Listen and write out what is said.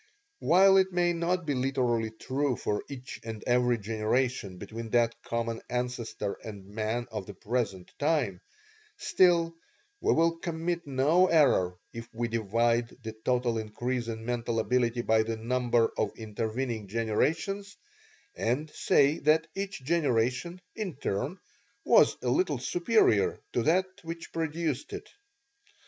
While it may not be literally true for each and every generation between that common ancestor and man of the present time, still we will commit no error if we divide the total increase in mental ability by the number of intervening generations and say that each generation in turn was a little superior to that which produced it.